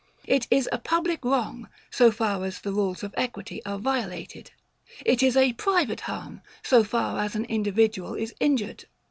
It is a public wrong, so far as the rules of equity are violated: it is a private harm, so far as an individual is injured.